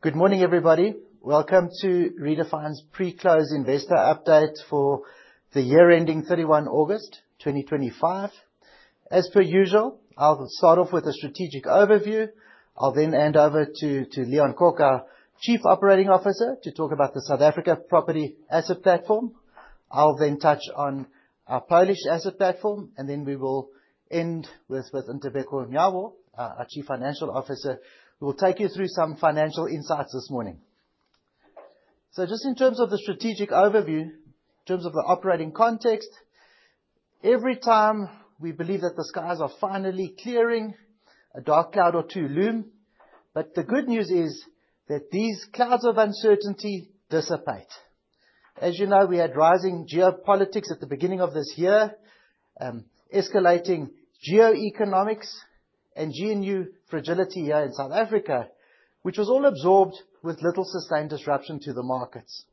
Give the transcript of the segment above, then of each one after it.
Good morning, everybody. Welcome to Redefine's pre-close investor update for the year ending 31 August 2025. As per usual, I'll start off with a strategic overview. I'll then hand over to Leon Kok, our Chief Operating Officer, to talk about the South Africa property asset platform. I'll then touch on our Polish asset platform, and then we will end with Ntobeko Nyawo, our Chief Financial Officer, who will take you through some financial insights this morning. Just in terms of the strategic overview, in terms of the operating context, every time we believe that the skies are finally clearing, a dark cloud or two loom. The good news is that these clouds of uncertainty dissipate. As you know, we had rising geopolitics at the beginning of this year, escalating geoeconomics and GNU fragility here in South Africa, which was all absorbed with little sustained disruption to the markets.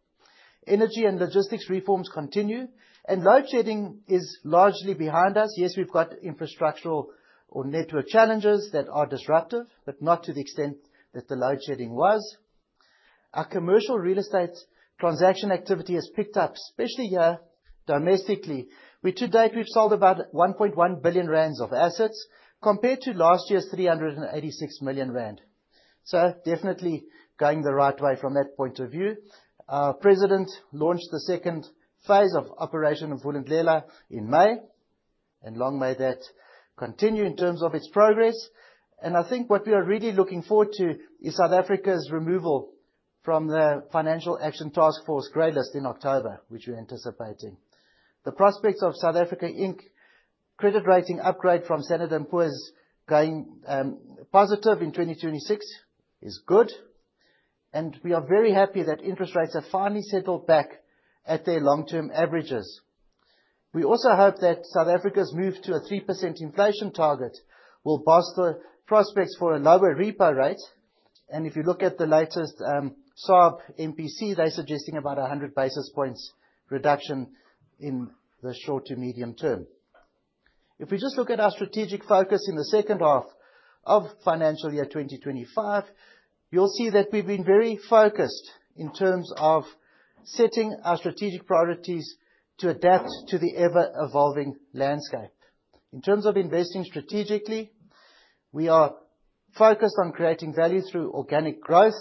Energy and logistics reforms continue, and load shedding is largely behind us. Yes, we've got infrastructural or network challenges that are disruptive, but not to the extent that the load shedding was. Our commercial real estate transaction activity has picked up, especially here domestically. To date, we've sold about 1.1 billion rand of assets compared to last year's 386 million rand. So definitely going the right way from that point of view. Our president launched the second phase of Operation Vulindlela in May, and long may that continue in terms of its progress. I think what we are really looking forward to is South Africa's removal from the Financial Action Task Force graylist in October, which we're anticipating. The prospects of South Africa Inc. credit rating upgrade from Standard & Poor's going positive in 2026 is good, and we are very happy that interest rates have finally settled back at their long-term averages. We also hope that South Africa's move to a 3% inflation target will boost the prospects for a lower repo rate. If you look at the latest SARB MPC, they're suggesting about 100 basis points reduction in the short to medium term. If we just look at our strategic focus in the second half of financial year 2025, you'll see that we've been very focused in terms of setting our strategic priorities to adapt to the ever-evolving landscape. In terms of investing strategically, we are focused on creating value through organic growth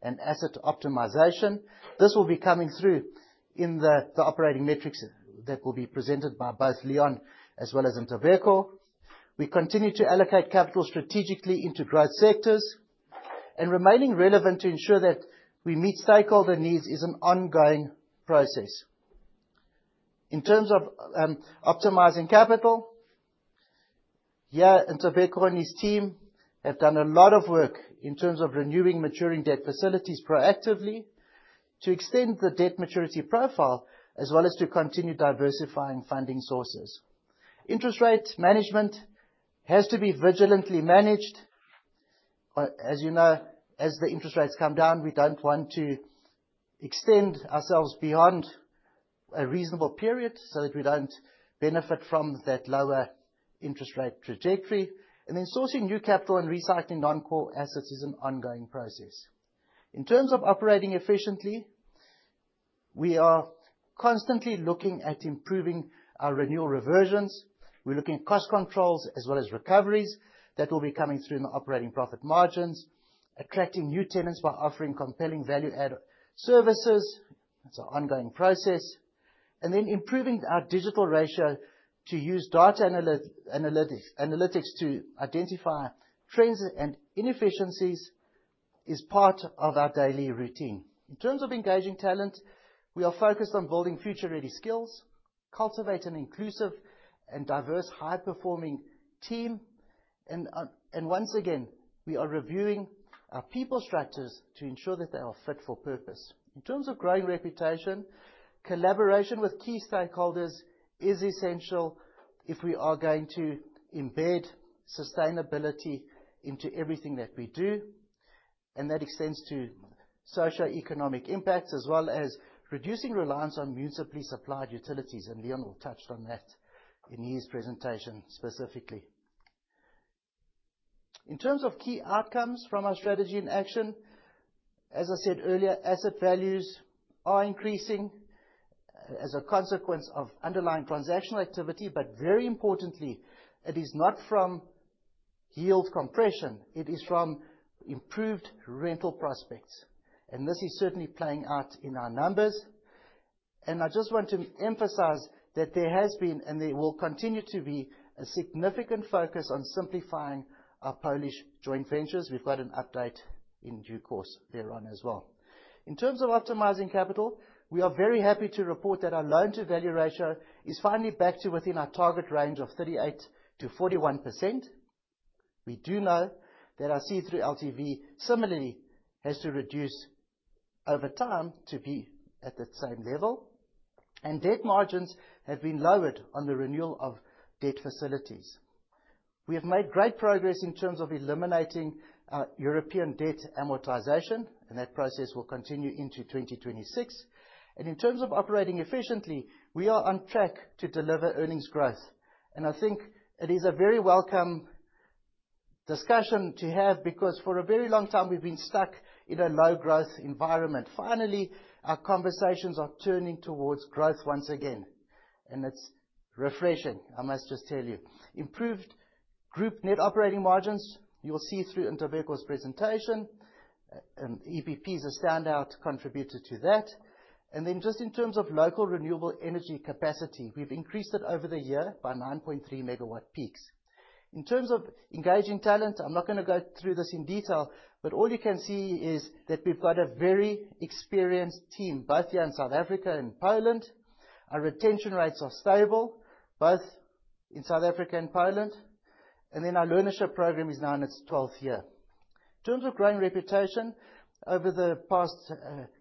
and asset optimization. This will be coming through in the operating metrics that will be presented by both Leon as well as Ntobeko. We continue to allocate capital strategically into growth sectors, and remaining relevant to ensure that we meet stakeholder needs is an ongoing process. In terms of optimizing capital, here, Ntobeko and his team have done a lot of work in terms of renewing maturing debt facilities proactively to extend the debt maturity profile as well as to continue diversifying funding sources. Interest rate management has to be vigilantly managed. As you know, as the interest rates come down, we don't want to extend ourselves beyond a reasonable period so that we don't benefit from that lower interest rate trajectory. Sourcing new capital and recycling non-core assets is an ongoing process. In terms of operating efficiently, we are constantly looking at improving our rental reversions. We're looking at cost controls as well as recoveries that will be coming through in the operating profit margins. Attracting new tenants by offering compelling value-add services, that's an ongoing process. Improving our digital ratio to use data analytics to identify trends and inefficiencies is part of our daily routine. In terms of engaging talent, we are focused on building future-ready skills, cultivate an inclusive and diverse, high-performing team, and once again, we are reviewing our people structures to ensure that they are fit for purpose. In terms of growing reputation, collaboration with key stakeholders is essential if we are going to embed sustainability into everything that we do, and that extends to socioeconomic impacts as well as reducing reliance on municipally supplied utilities, and Leon will touch on that in his presentation specifically. In terms of key outcomes from our strategy in action, as I said earlier, asset values are increasing as a consequence of underlying transactional activity, but very importantly, it is not from yield compression. It is from improved rental prospects, and this is certainly playing out in our numbers. I just want to emphasize that there has been, and there will continue to be, a significant focus on simplifying our Polish joint ventures. We've got an update in due course thereon as well. In terms of optimizing capital, we are very happy to report that our loan-to-value ratio is finally back to within our target range of 38%-41%. We do know that our see-through LTV similarly has to reduce over time to be at that same level, and debt margins have been lowered on the renewal of debt facilities. We have made great progress in terms of eliminating European debt amortization, and that process will continue into 2026. In terms of operating efficiently, we are on track to deliver earnings growth. I think it is a very welcome discussion to have, because for a very long time, we've been stuck in a low growth environment. Finally, our conversations are turning towards growth once again, and it's refreshing, I must just tell you. Improved group net operating margins, you'll see through Ntobeko Nyawo's presentation. EPP is a standout contributor to that. Just in terms of local renewable energy capacity, we've increased it over the year by 9.3 MW peaks. In terms of engaging talent, I'm not gonna go through this in detail, but all you can see is that we've got a very experienced team, both here in South Africa and Poland. Our retention rates are stable, both in South Africa and Poland. Our learnership program is now in its 12th year. In terms of growing reputation, over the past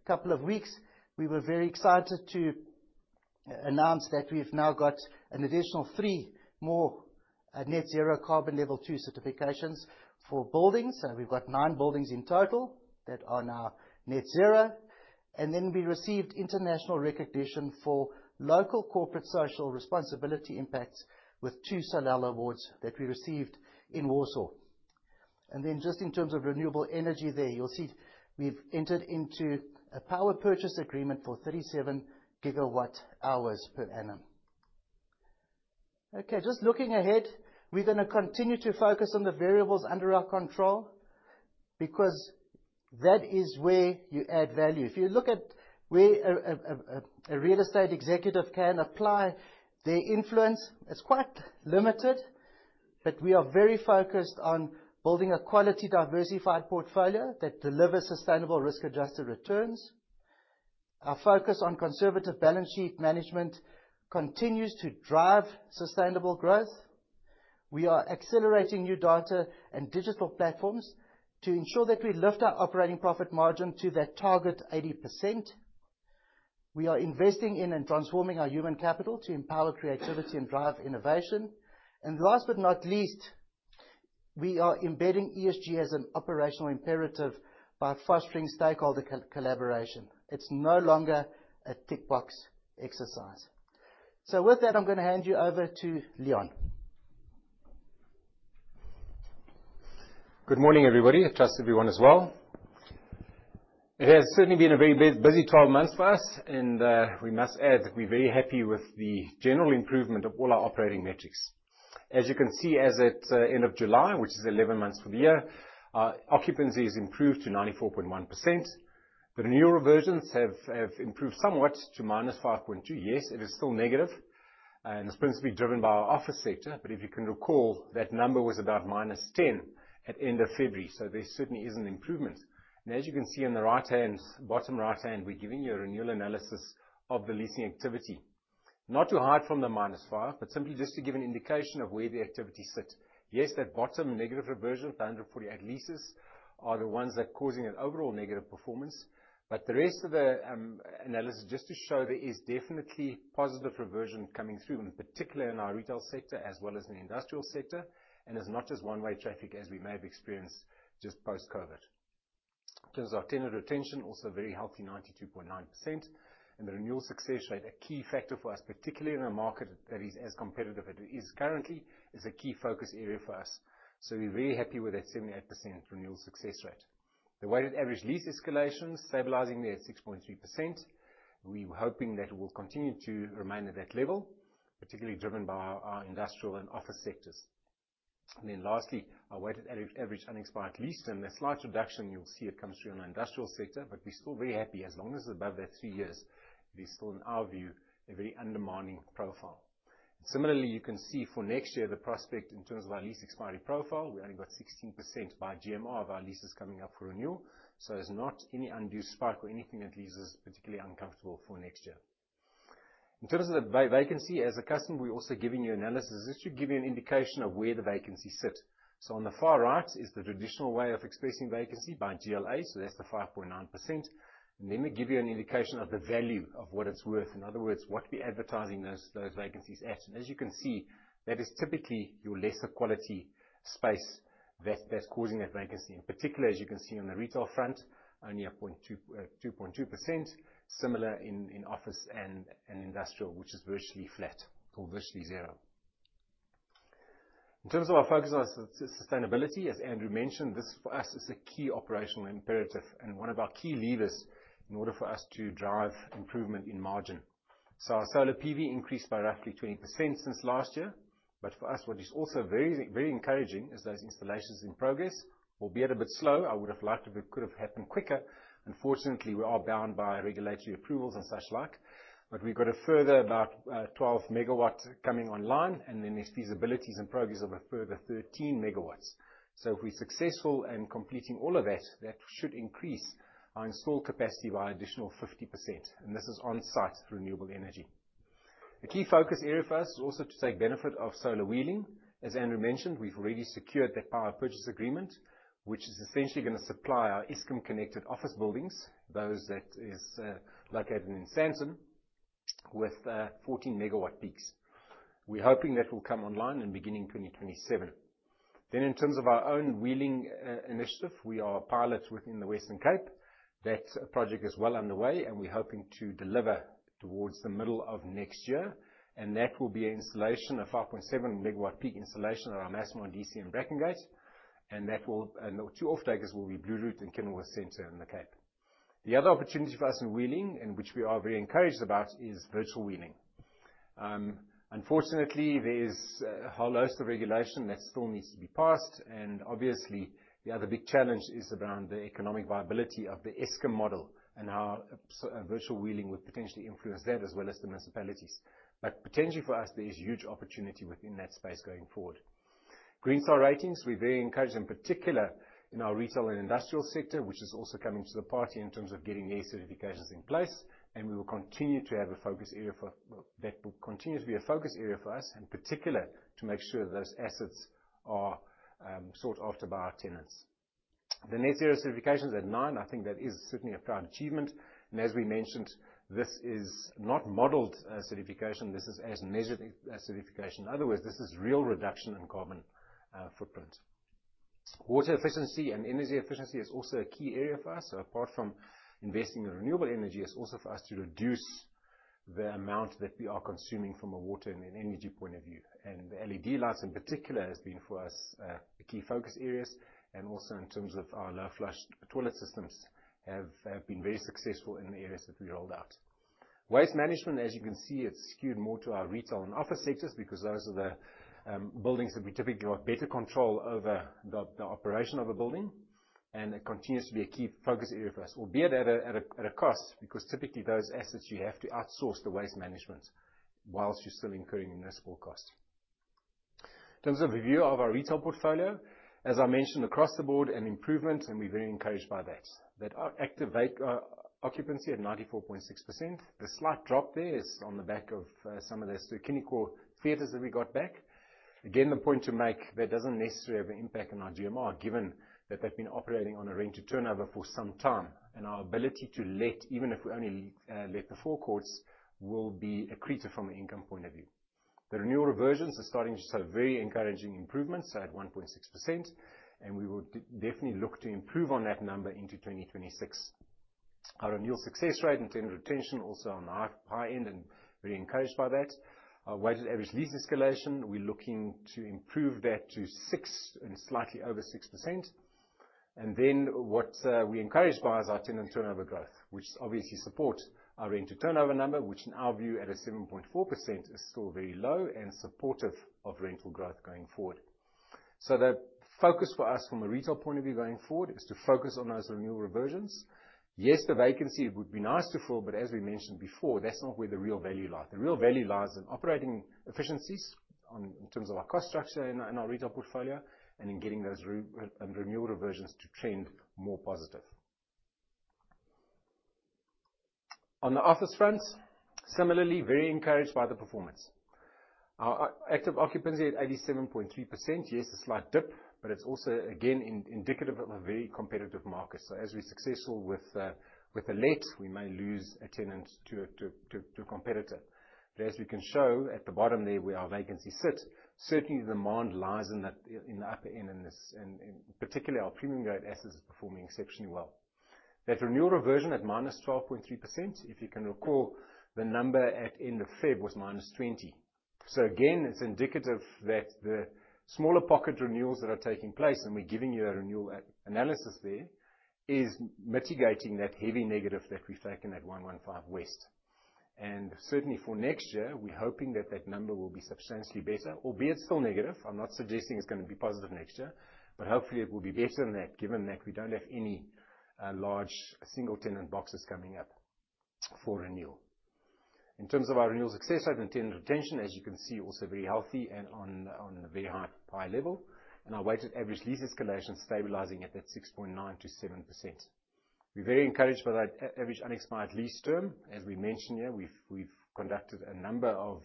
couple of weeks, we were very excited to announce that we've now got an additional three more net zero carbon level two certifications for buildings. We've got nine buildings in total that are now net zero. We received international recognition for local corporate social responsibility impacts with two Solal Awards that we received in Warsaw. Just in terms of renewable energy there, you'll see we've entered into a power purchase agreement for 37 GWh per annum. Okay, just looking ahead, we're gonna continue to focus on the variables under our control, because that is where you add value. If you look at where a real estate executive can apply their influence, it's quite limited, but we are very focused on building a quality, diversified portfolio that delivers sustainable risk-adjusted returns. Our focus on conservative balance sheet management continues to drive sustainable growth. We are accelerating new data and digital platforms to ensure that we lift our operating profit margin to that target 80%. We are investing in and transforming our human capital to empower creativity and drive innovation. Last but not least, we are embedding ESG as an operational imperative by fostering stakeholder collaboration. It's no longer a tick box exercise. With that, I'm gonna hand you over to Leon. Good morning, everybody. I trust everyone is well. It has certainly been a very busy 12 months for us, and we must add, we're very happy with the general improvement of all our operating metrics. As you can see, as at end of July, which is 11 months for the year, our occupancy has improved to 94.1%. The renewal reversions have improved somewhat to -5.2. Yes, it is still negative, and it's principally driven by our office sector. If you can recall, that number was about -10 at end of February. There certainly is an improvement. As you can see on the bottom right-hand, we're giving you a renewal analysis of the leasing activity. Not too far from the -5.2, but simply just to give an indication of where the activity sits. Yes, that bottom negative reversion of 548 leases are the ones that are causing an overall negative performance. The rest of the analysis just to show there is definitely positive reversion coming through, in particular in our retail sector as well as in the industrial sector, and is not just one-way traffic as we may have experienced just post-COVID. In terms of our tenant retention, also very healthy, 92.9%. The renewal success rate, a key factor for us, particularly in a market that is as competitive as it is currently, is a key focus area for us. We're very happy with that 78% renewal success rate. The weighted average lease escalation, stabilizing there at 6.3%. We're hoping that it will continue to remain at that level, particularly driven by our industrial and office sectors. Then lastly, our weighted average unexpired lease. A slight reduction, you'll see it comes through in our industrial sector, but we're still very happy. As long as it's above that three years, it is still, in our view, a very undermining profile. Similarly, you can see for next year, the prospect in terms of our lease expiry profile, we only got 16% by GMR of our leases coming up for renewal. There's not any undue spike or anything that leaves us particularly uncomfortable for next year. In terms of the vacancy, as a custom, we're also giving you analysis. This should give you an indication of where the vacancy sits. On the far right is the traditional way of expressing vacancy by GLA, so that's the 5.9%. We give you an indication of the value of what it's worth. In other words, what we're advertising those vacancies at. As you can see, that is typically your lesser quality space that's causing that vacancy. In particular, as you can see on the retail front, only 2.2%. Similar in office and in industrial, which is virtually flat or virtually zero. In terms of our focus on sustainability, as Andrew mentioned, this for us is a key operational imperative and one of our key levers in order for us to drive improvement in margin. Our solar PV increased by roughly 20% since last year. For us, what is also very encouraging is those installations in progress, albeit a bit slow. I would have liked if it could have happened quicker. Unfortunately, we are bound by regulatory approvals and such like. We've got a further, about 12 MW coming online, and then there's feasibilities and progress of a further 13 MW. If we're successful in completing all of that should increase our installed capacity by additional 50%. This is on-site renewable energy. A key focus area for us is also to take benefit of solar wheeling. As Andrew mentioned, we've already secured that power purchase agreement, which is essentially gonna supply our Eskom-connected office buildings, those that is located in Sandton, with 14 MW peaks. We're hoping that will come online in beginning 2027. In terms of our own wheeling initiative, we are piloting within the Western Cape. That project is well underway, and we're hoping to deliver towards the middle of next year, and that will be installation of 5.7 MW peak installation at our Massmart and DCM Brackengate. The two off-takers will be Blue Route and Kenilworth Centre in the Cape. The other opportunity for us in wheeling, which we are very encouraged about, is virtual wheeling. Unfortunately, there is a whole host of regulation that still needs to be passed, and obviously, the other big challenge is around the economic viability of the Eskom model and how virtual wheeling would potentially influence that as well as the municipalities. Potentially for us, there is huge opportunity within that space going forward. Green Star ratings, we're very encouraged, in particular, in our retail and industrial sector, which is also coming to the party in terms of getting LEED certifications in place. That will continue to be a focus area for us, in particular, to make sure those assets are sought after by our tenants. The net zero certifications at nine, I think that is certainly a proud achievement. As we mentioned, this is not modeled certification. This is as measured certification. In other words, this is real reduction in carbon footprint. Water efficiency and energy efficiency is also a key area for us. Apart from investing in renewable energy, it's also for us to reduce the amount that we are consuming from a water and an energy point of view. The LED lights, in particular, has been for us key focus areas, and also in terms of our low flush toilet systems have been very successful in the areas that we rolled out. Waste management, as you can see, it's skewed more to our retail and office sectors because those are the buildings that we typically have better control over the operation of a building, and it continues to be a key focus area for us, albeit at a cost, because typically those assets, you have to outsource the waste management whilst you're still incurring in those four costs. In terms of the view of our retail portfolio, as I mentioned across the board, an improvement, and we're very encouraged by that. That occupancy at 94.6%. The slight drop there is on the back of some of the Ster-Kinekor theaters that we got back. Again, the point to make, that doesn't necessarily have an impact on our GMR, given that they've been operating on a rent to turnover for some time. Our ability to let, even if we only let the four courts, will be accretive from an income point of view. The renewal reversions are starting to show very encouraging improvements at 1.6%, and we will definitely look to improve on that number into 2026. Our renewal success rate and tenant retention also on the high end and very encouraged by that. Our weighted average lease escalation, we're looking to improve that to 6% and slightly over 6%. What we're encouraged by is our tenant turnover growth, which obviously support our rent to turnover number, which in our view, at a 7.4% is still very low and supportive of rental growth going forward. The focus for us from a retail point of view going forward is to focus on those renewal reversions. Yes, the vacancy, it would be nice to fill, but as we mentioned before, that's not where the real value lie. The real value lies in operating efficiencies in terms of our cost structure in our retail portfolio, and in getting those renewal reversions to trend more positive. On the office front, similarly, very encouraged by the performance. Our active occupancy at 87.3%. Yes, a slight dip, but it's also again indicative of a very competitive market. As we're successful with a let, we may lose a tenant to a competitor. As we can show at the bottom there, where our vacancy sits, certainly the demand lies in that, in the upper end, and particularly our premium grade assets is performing exceptionally well. That renewal reversion at -12.3%, if you can recall, the number at end of February was -20%. Again, it's indicative that the smaller pocket renewals that are taking place, and we're giving you a renewal analysis there, is mitigating that heavy negative that we've taken at 115 West. Certainly for next year, we're hoping that that number will be substantially better, albeit still negative. I'm not suggesting it's gonna be positive next year, but hopefully, it will be better than that, given that we don't have any large single tenant boxes coming up for renewal. In terms of our renewal success rate and tenant retention, as you can see, also very healthy and on a very high level. Our weighted average lease escalation stabilizing at that 6.9%-7%. We're very encouraged by that average unexpired lease term. As we mentioned here, we've conducted a number of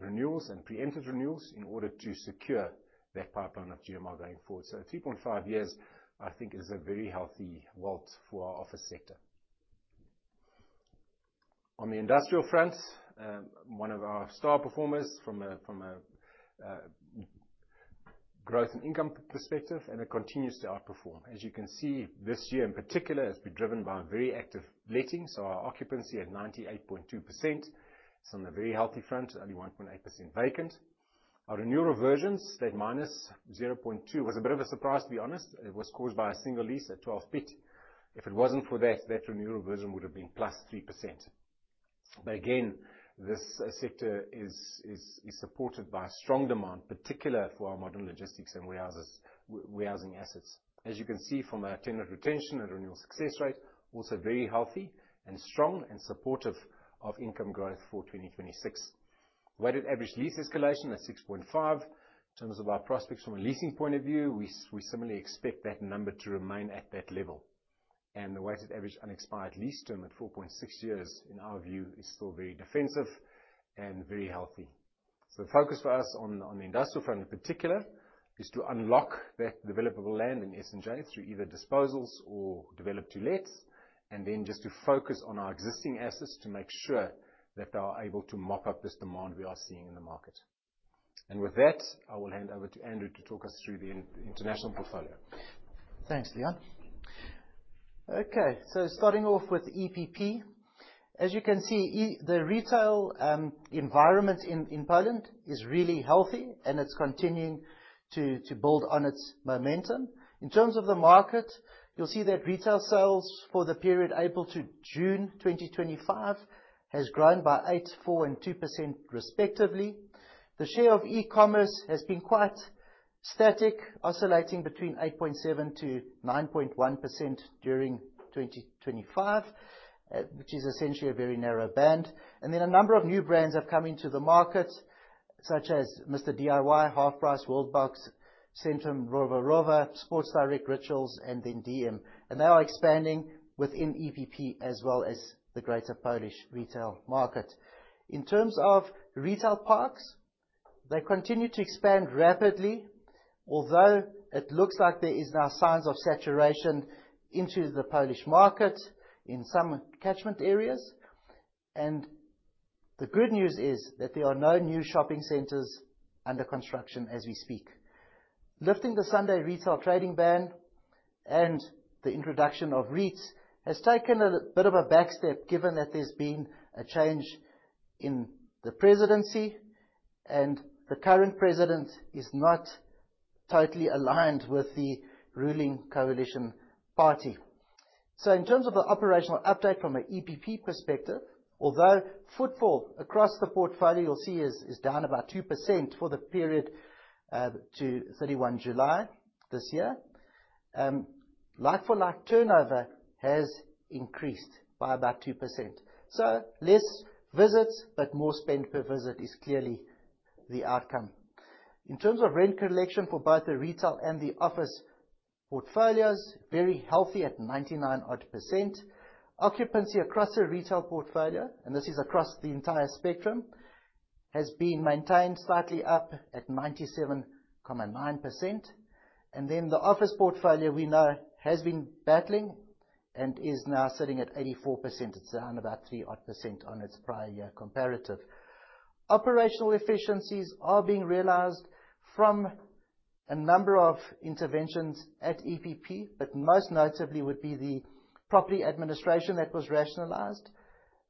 renewals and pre-let renewals in order to secure that pipeline of GMR going forward. 3.5 years, I think, is a very healthy WALT for our office sector. On the industrial front, one of our star performers from a growth and income perspective, and it continues to outperform. As you can see, this year in particular, it's been driven by very active lettings, so our occupancy at 98.2%. It's on a very healthy front, only 1.8% vacant. Our renewal reversions, that -0.2%, was a bit of a surprise, to be honest. It was caused by a single lease at 12%. If it wasn't for that renewal reversion would have been +3%. Again, this sector is supported by strong demand, particularly for our modern logistics and warehouses, warehousing assets. As you can see from our tenant retention and renewal success rate, also very healthy and strong and supportive of income growth for 2026. Weighted average lease escalation at 6.5%. In terms of our prospects from a leasing point of view, we similarly expect that number to remain at that level. The weighted average unexpired lease term at 4.6 years, in our view, is still very defensive and very healthy. The focus for us on the industrial front, in particular, is to unlock that developable land in S&J through either disposals or develop to lets, and then just to focus on our existing assets to make sure that they are able to mop up this demand we are seeing in the market. With that, I will hand over to Andrew to talk us through the international portfolio. Thanks, Leon. Okay, starting off with EPP. As you can see, the retail environment in Poland is really healthy and it's continuing to build on its momentum. In terms of the market, you'll see that retail sales for the period April to June 2025 has grown by 8%, 4%, and 2% respectively. The share of e-commerce has been quite static, oscillating between 8.7%-9.1% during 2025, which is essentially a very narrow band. A number of new brands have come into the market, such as MR D.I.Y., HalfPrice, Worldbox, Centrum, Reserved, Sports Direct, Rituals, and then DM. They are expanding within EPP as well as the greater Polish retail market. In terms of retail parks, they continue to expand rapidly. Although it looks like there is now signs of saturation into the Polish market in some catchment areas. The good news is that there are no new shopping centers under construction as we speak. Lifting the Sunday retail trading ban and the introduction of REITs has taken a bit of a back step, given that there's been a change in the presidency and the current president is not totally aligned with the ruling coalition party. In terms of the operational update from an EPP perspective, although footfall across the portfolio, you'll see, is down about 2% for the period to 31 July this year. Like-for-like turnover has increased by about 2%. Less visits, but more spend per visit is clearly the outcome. In terms of rent collection for both the retail and the office portfolios, very healthy at 99% odd. Occupancy across the retail portfolio, and this is across the entire spectrum, has been maintained slightly up at 97.9%. The office portfolio we know has been battling and is now sitting at 84%. It's down about 3% on its prior year comparative. Operational efficiencies are being realized from a number of interventions at EPP, but most notably would be the property administration that was rationalized,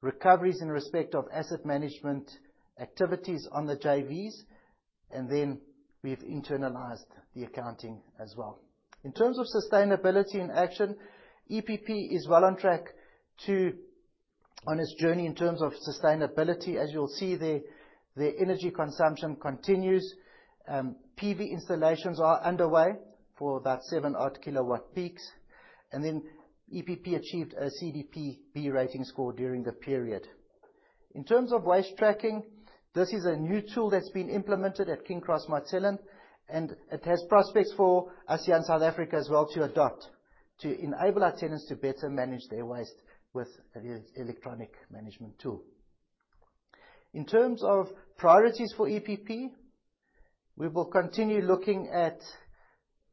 recoveries in respect of asset management activities on the JVs, and then we've internalized the accounting as well. In terms of sustainability and action, EPP is well on track on its journey in terms of sustainability. As you'll see there, the energy consumption continues. PV installations are underway for about 7 MW peaks. EPP achieved a CDP B rating score during the period. In terms of waste tracking, this is a new tool that's been implemented at King Cross Marcelin, and it has prospects for us here in South Africa as well to adopt, to enable our tenants to better manage their waste with the electronic management tool. In terms of priorities for EPP, we will continue looking at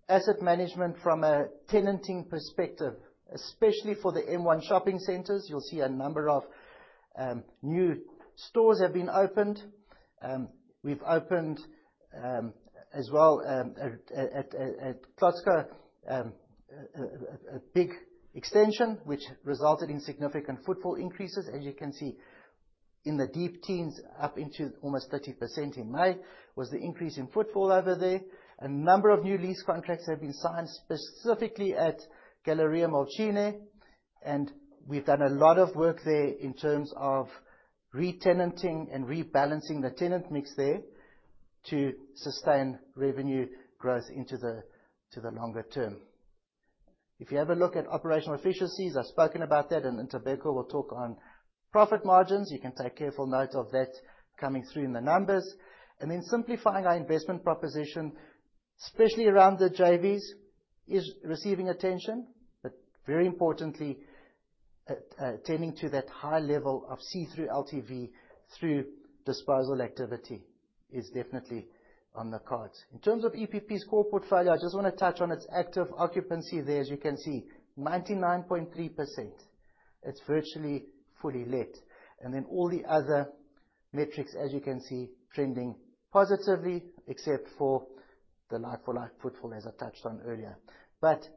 asset management from a tenanting perspective, especially for the M1 shopping centers. You'll see a number of new stores have been opened. We've opened, as well, at Kłodzko, a big extension which resulted in significant footfall increases. As you can see in the deep teens, up into almost 30% in May was the increase in footfall over there. A number of new lease contracts have been signed specifically at Galeria Młociny, and we've done a lot of work there in terms of retenanting and rebalancing the tenant mix there to sustain revenue growth to the longer term. If you have a look at operational efficiencies, I've spoken about that, and then Ntobeko will talk on profit margins. You can take careful note of that coming through in the numbers. Simplifying our investment proposition, especially around the JVs, is receiving attention. Very importantly, tending to that high level of see-through LTV through disposal activity is definitely on the cards. In terms of EPP's core portfolio, I just wanna touch on its active occupancy there. As you can see, 99.3%. It's virtually fully let. Then all the other metrics, as you can see, trending positively, except for the like-for-like footfall, as I touched on earlier.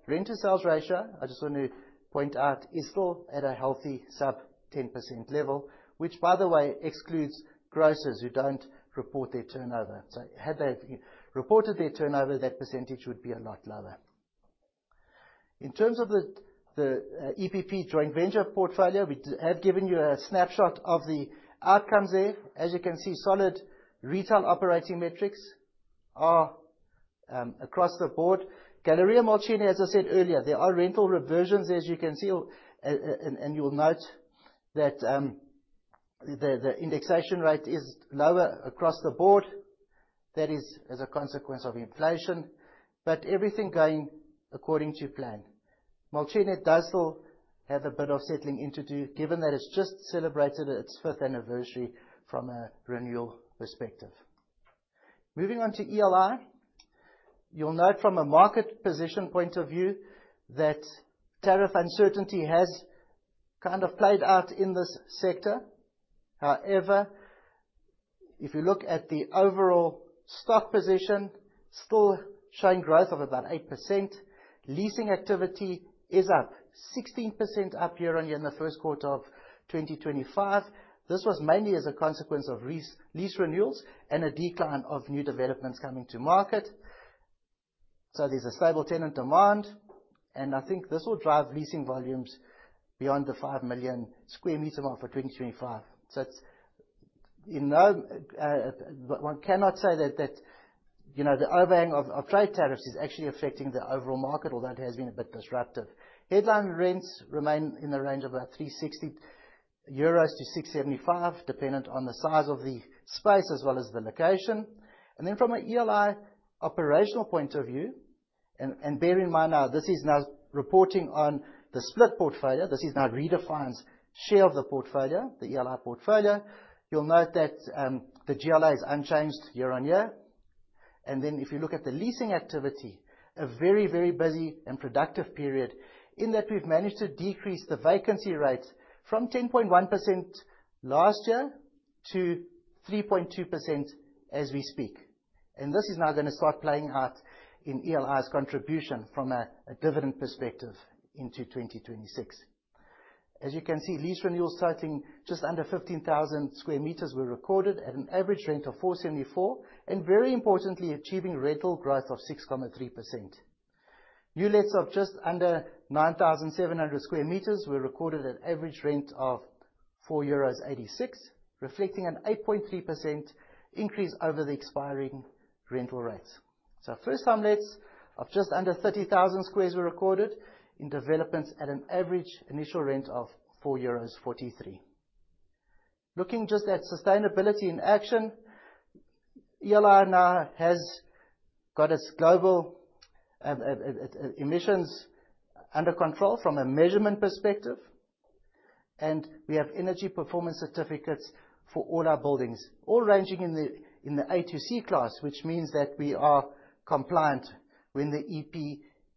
Rent to sales ratio, I just want to point out, is still at a healthy sub-10% level, which by the way excludes grocers who don't report their turnover. Had they reported their turnover, that percentage would be a lot lower. In terms of the EPP joint venture portfolio, we have given you a snapshot of the outcomes there. As you can see, solid retail operating metrics are across the board. Galeria Młociny, as I said earlier, there are rental reversions as you can see. You'll note that the indexation rate is lower across the board. That is as a consequence of inflation, but everything going according to plan. Madison does still have a bit of settling in to do, given that it's just celebrated its fifth anniversary from a renewal perspective. Moving on to ELI. You'll note from a market position point of view that tariff uncertainty has kind of played out in this sector. However, if you look at the overall stock position, still showing growth of about 8%. Leasing activity is up 16% year-on-year in the first quarter of 2025. This was mainly as a consequence of re-lease renewals and a decline of new developments coming to market. There's a stable tenant demand, and I think this will drive leasing volumes beyond the 5 million sq m mark for 2025. It's, you know, but one cannot say that you know the overhang of trade tariffs is actually affecting the overall market, although it has been a bit disruptive. Headline rents remain in the range of about 360-675 euros, dependent on the size of the space as well as the location. From an ELI operational point of view, and bear in mind this is reporting on the split portfolio. This is now Redefine's share of the portfolio, the ELI portfolio. You'll note that the GLA is unchanged year-over-year. If you look at the leasing activity, a very, very busy and productive period in that we've managed to decrease the vacancy rate from 10.1% last year to 3.2% as we speak. This is now gonna start playing out in ELI's contribution from a dividend perspective into 2026. As you can see, lease renewals signing just under 15,000 sq m were recorded at an average rent of 4.74, and very importantly, achieving rental growth of 6.3%. New lettings of just under 9,700 sq m were recorded at average rent of 4.86 euros, reflecting an 8.3% increase over the expiring rental rates. First-time lettings of just under 30,000 sq m were recorded in developments at an average initial rent of 4.43 euros. Looking just at sustainability in action, ELI now has got its global emissions under control from a measurement perspective, and we have energy performance certificates for all our buildings, all ranging in the A to C class, which means that we are compliant when the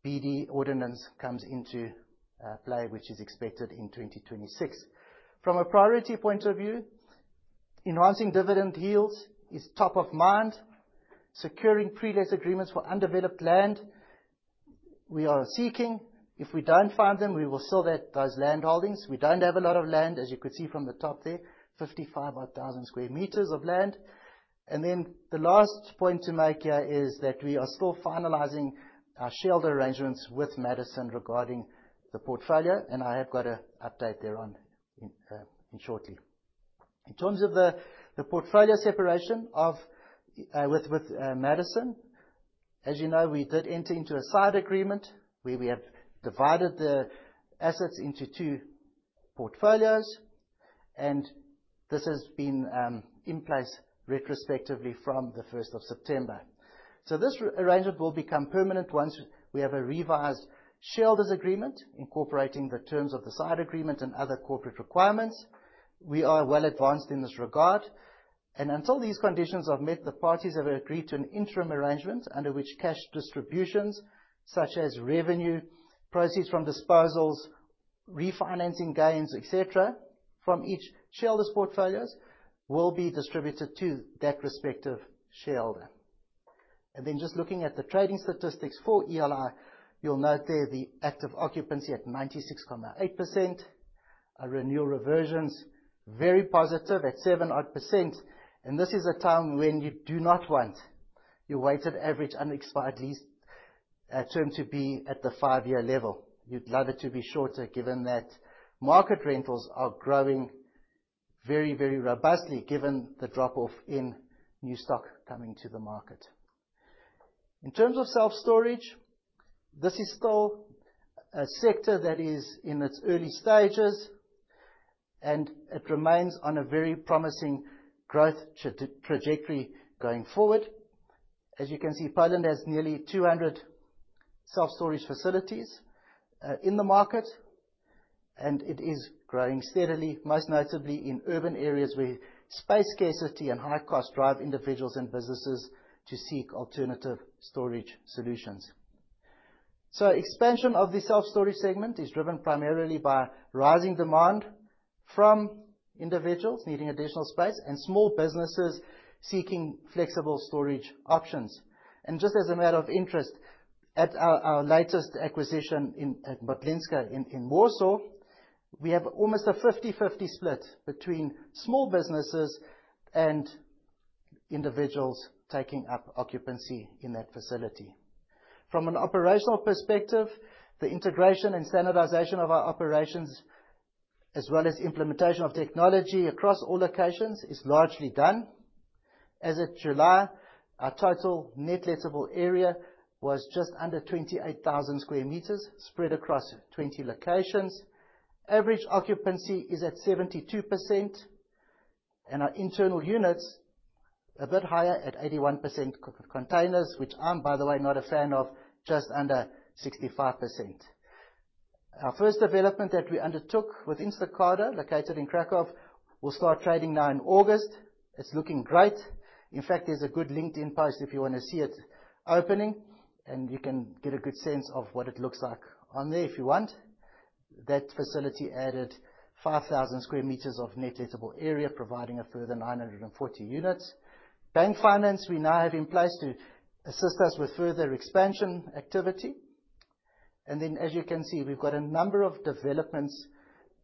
EPBD ordinance comes into play, which is expected in 2026. From a priority point of view, enhancing dividend yields is top of mind. Securing pre-lease agreements for undeveloped land, we are seeking. If we don't find them, we will sell those land holdings. We don't have a lot of land, as you could see from the top there, 55,000-odd sq m of land. The last point to make here is that we are still finalizing our shareholder arrangements with Madison regarding the portfolio, and I have got an update thereon in shortly. In terms of the portfolio separation with Madison. As you know, we did enter into a side agreement where we have divided the assets into two portfolios, and this has been in place retrospectively from the first of September. This arrangement will become permanent once we have a revised shareholders agreement incorporating the terms of the side agreement and other corporate requirements. We are well advanced in this regard. Until these conditions are met, the parties have agreed to an interim arrangement under which cash distributions, such as revenue, proceeds from disposals, refinancing gains, et cetera, from each shareholder's portfolios will be distributed to that respective shareholder. Then just looking at the trading statistics for ELI. You'll note there the active occupancy at 96.8%. Our renewal reversions very positive at seven-odd percent. This is a time when you do not want your weighted average unexpired lease term to be at the five-year level. You'd love it to be shorter, given that market rentals are growing very, very robustly, given the drop-off in new stock coming to the market. In terms of self-storage, this is still a sector that is in its early stages, and it remains on a very promising growth trajectory going forward. As you can see, Poland has nearly 200 self-storage facilities in the market, and it is growing steadily, most notably in urban areas where space scarcity and high cost drive individuals and businesses to seek alternative storage solutions. Expansion of the self-storage segment is driven primarily by rising demand from individuals needing additional space and small businesses seeking flexible storage options. Just as a matter of interest, our latest acquisition at Modlińska in Warsaw, we have almost a 50/50 split between small businesses and individuals taking up occupancy in that facility. From an operational perspective, the integration and standardization of our operations, as well as implementation of technology across all locations, is largely done. As of July, our total net lettable area was just under 28,000 sq m spread across 20 locations. Average occupancy is at 72%, and our internal units are a bit higher at 81%. Containers, which I'm by the way, not a fan of, just under 65%. Our first development that we undertook with Stokado, located in Kraków, will start trading now in August. It's looking great. In fact, there's a good LinkedIn post if you wanna see it opening, and you can get a good sense of what it looks like on there if you want. That facility added 5,000 sq m of net lettable area, providing a further 940 units. Bank finance we now have in place to assist us with further expansion activity. As you can see, we've got a number of developments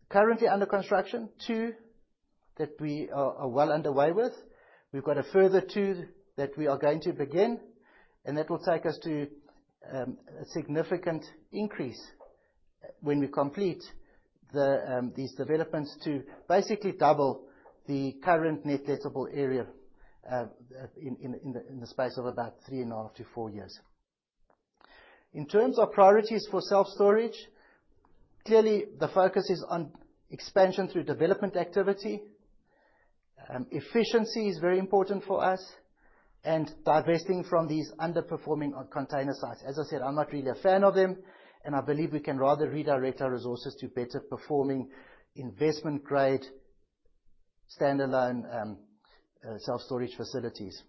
currently under construction, two that we are well underway with. We've got a further two that we are going to begin, and that will take us to a significant increase when we complete these developments, to basically double the current net lettable area in the space of about three and a half to four years. In terms of priorities for self-storage, clearly the focus is on expansion through development activity. Efficiency is very important for us, and divesting from these underperforming container sites. As I said, I'm not really a fan of them, and I believe we can rather redirect our resources to better performing investment-grade standalone self-storage facilities.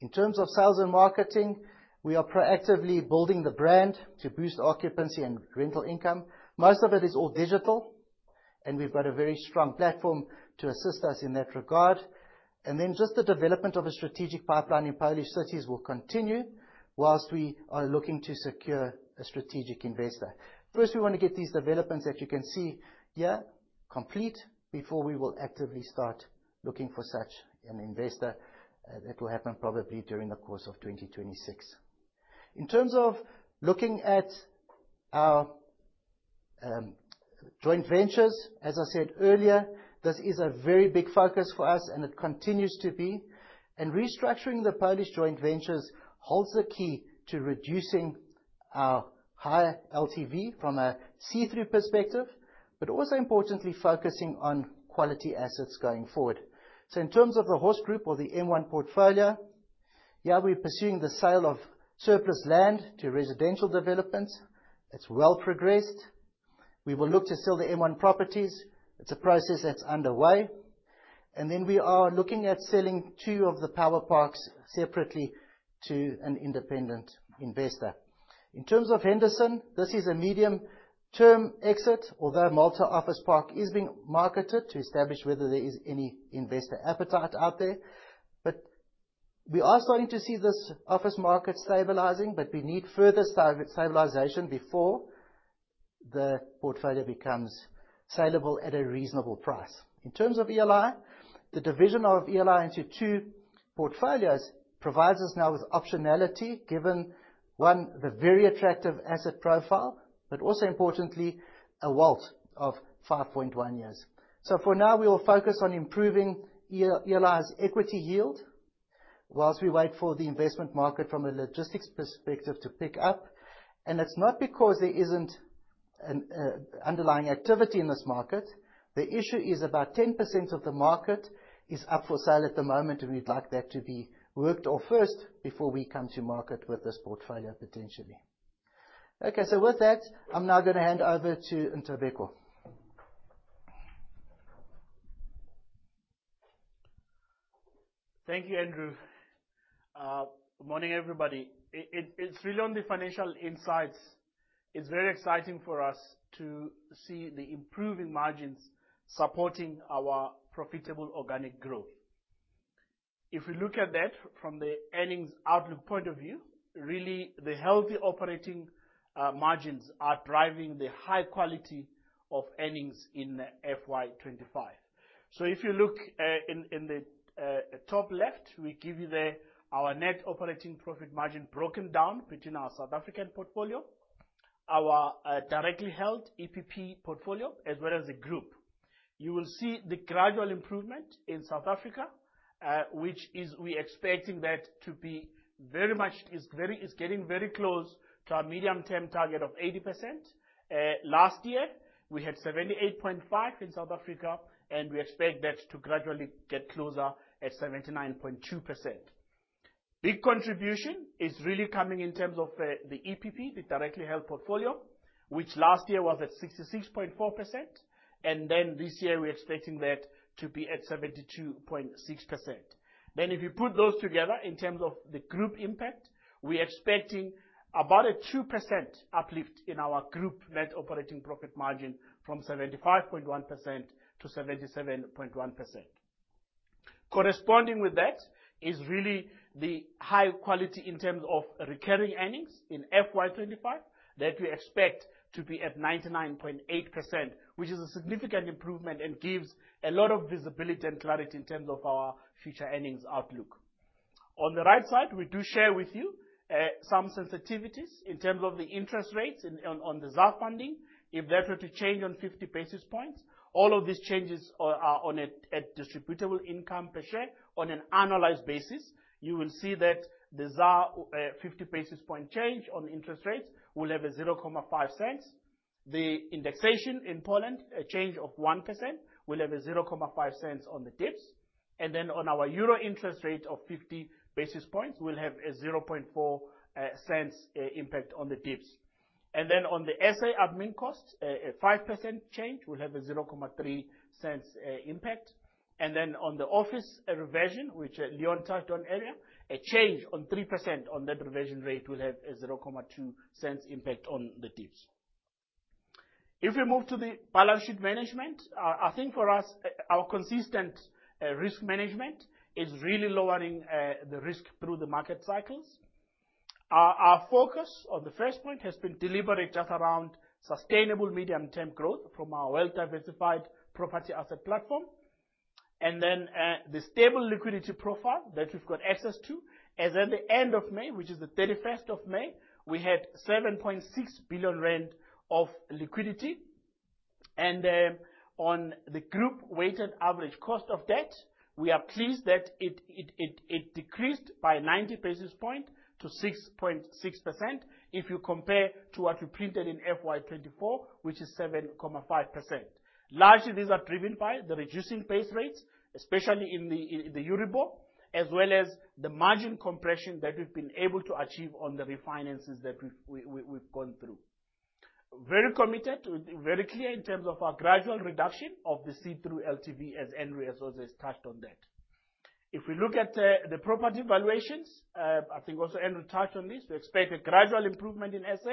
In terms of sales and marketing, we are proactively building the brand to boost occupancy and rental income. Most of it is all digital, and we've got a very strong platform to assist us in that regard. Just the development of a strategic pipeline in Polish cities will continue while we are looking to secure a strategic investor. First, we wanna get these developments, as you can see here, complete before we will actively start looking for such an investor. That will happen probably during the course of 2026. In terms of looking at our joint ventures, as I said earlier, this is a very big focus for us, and it continues to be. Restructuring the Polish joint ventures holds the key to reducing our high LTV from a see-through perspective, but also importantly, focusing on quality assets going forward. In terms of the Horse Group or the M1 portfolio, here we're pursuing the sale of surplus land to residential developments. It's well progressed. We will look to sell the M1 properties. It's a process that's underway. Then we are looking at selling two of the retail parks separately to an independent investor. In terms of Henderson, this is a medium-term exit, although Malta Office Park is being marketed to establish whether there is any investor appetite out there. We are starting to see this office market stabilizing, but we need further stabilization before the portfolio becomes saleable at a reasonable price. In terms of ELI, the division of ELI into two portfolios provides us now with optionality, given, one, the very attractive asset profile, but also importantly, a WALT of 5.1 years. For now, we will focus on improving ELI's equity yield while we wait for the investment market from a logistics perspective to pick up. It's not because there isn't an underlying activity in this market. The issue is about 10% of the market is up for sale at the moment, and we'd like that to be worked off first before we come to market with this portfolio, potentially. Okay, with that, I'm now gonna hand over to Ntobeko. Thank you, Andrew. Good morning, everybody. It's really on the financial insights, it's very exciting for us to see the improving margins supporting our profitable organic growth. If we look at that from the earnings outlook point of view, really the healthy operating margins are driving the high quality of earnings in FY 2025. If you look in the top left, we give you our net operating profit margin broken down between our South African portfolio, our directly held EPP portfolio, as well as the group. You will see the gradual improvement in South Africa, which is getting very close to our medium-term target of 80%. Last year, we had 78.5% in South Africa, and we expect that to gradually get closer at 79.2%. Big contribution is really coming in terms of the EPP, the directly held portfolio, which last year was at 66.4%, and then this year we're expecting that to be at 72.6%. If you put those together in terms of the group impact, we're expecting about a 2% uplift in our group net operating profit margin from 75.1% to 77.1%. Corresponding with that is really the high quality in terms of recurring earnings in FY 2025 that we expect to be at 99.8%, which is a significant improvement and gives a lot of visibility and clarity in terms of our future earnings outlook. On the right side, we do share with you some sensitivities in terms of the interest rates on the ZAR funding, if that were to change on 50 basis points. All of these changes are at distributable income per share on an annualized basis. You will see that the ZAR 50 basis point change on interest rates will have a 0.005. The indexation in Poland, a change of 1%, will have a 0.005 on the DIPS. On our euro interest rate of 50 basis points, we'll have a 0.004 impact on the DIPS. On the SA admin costs, a 5% change will have a 0.003 impact. On the office reversion, which Leon touched on earlier, a change on 3% on that reversion rate will have a 0.2 cents impact on the DIPS. If we move to the balance sheet management, I think for us, our consistent risk management is really lowering the risk through the market cycles. Our focus on the first point has been delivering just around sustainable medium-term growth from our well-diversified property asset platform. The stable liquidity profile that we've got access to. As at the end of May, which is the 31st of May, we had 7.6 billion rand of liquidity. On the group weighted average cost of debt, we are pleased that it decreased by 90 basis points to 6.6% if you compare to what we printed in FY 2024, which is 7.5%. Largely, these are driven by the reducing base rates, especially in the Euro bond, as well as the margin compression that we've been able to achieve on the refinances that we've gone through. Very committed, very clear in terms of our gradual reduction of the see-through LTV as Andrew also has touched on that. If we look at the property valuations, I think also Andrew touched on this. We expect a gradual improvement in SA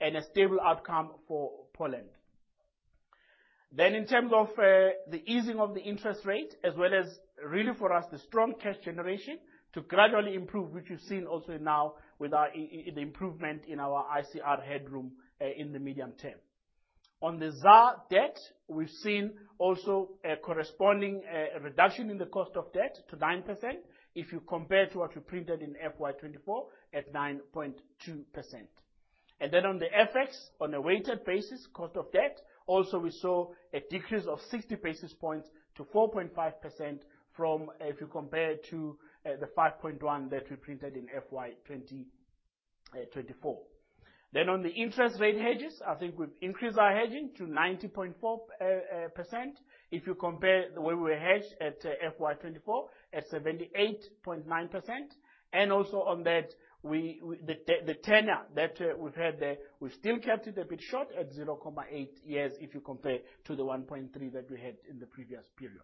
and a stable outcome for Poland. In terms of the easing of the interest rate, as well as really for us, the strong cash generation to gradually improve, which we've seen also now with our in the improvement in our ICR headroom in the medium term. On the ZAR debt, we've seen also a corresponding reduction in the cost of debt to 9% if you compare to what we printed in FY 2024 at 9.2%. On the FX, on a weighted basis cost of debt, also we saw a decrease of 60 basis points to 4.5% from, if you compare to, the 5.1 that we printed in FY 2024. On the interest rate hedges, I think we've increased our hedging to 90.4% if you compare the way we were hedged at FY 2024 at 78.9%. Also on that, the tenor that we've had there, we've still kept it a bit short at 0.8 years if you compare to the 1.3 that we had in the previous period.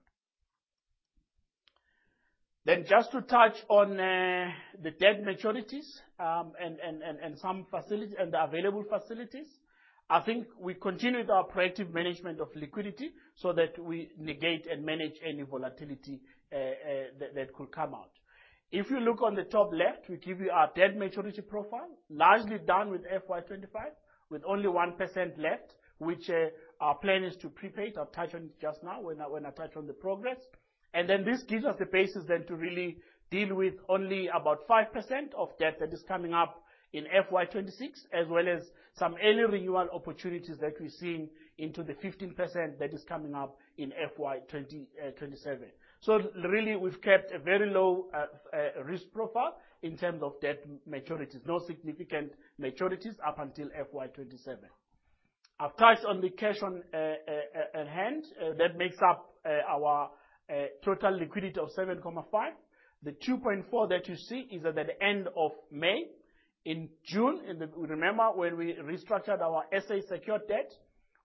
Just to touch on the debt maturities, and some facility and the available facilities, I think we continue with our proactive management of liquidity so that we negate and manage any volatility that could come out. If you look on the top left, we give you our debt maturity profile, largely done with FY 2025, with only 1% left, which our plan is to prepay. I've touched on it just now when I touched on the progress. This gives us the basis then to really deal with only about 5% of debt that is coming up in FY 2027. Really, we've kept a very low risk profile in terms of debt maturities. No significant maturities up until FY 2027. I've touched on the cash on hand that makes up our total liquidity of 7.5. The 2.4 that you see is at the end of May. In June, you remember, when we restructured our SA secured debt,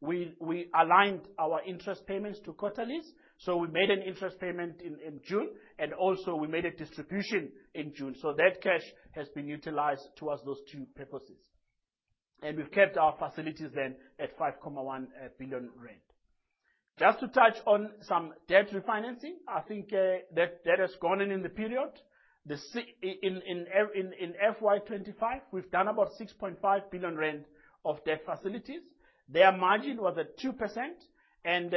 we aligned our interest payments to quarterlies. We made an interest payment in June, and also we made a distribution in June. That cash has been utilized towards those two purposes. We've kept our facilities then at 5.1 billion rand. Just to touch on some debt refinancing, I think, that has gone on in the period. In FY 2025, we've done about 6.5 billion rand of debt facilities. Their margin was at 2%, and